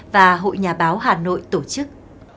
và hội nhà báo hà nội tổ chức